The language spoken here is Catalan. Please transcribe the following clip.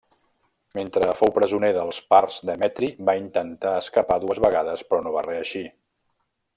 Mentre fou presoner dels parts Demetri va intentar escapar dues vegades però no va reeixir.